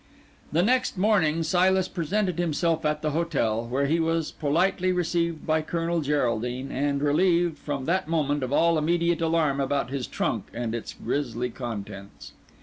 The next morning Silas presented himself at the hotel, where he was politely received by Colonel Geraldine, and relieved, from that moment, of all immediate alarm about his trunk and its grisly contents.